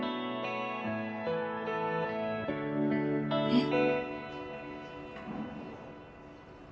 えっ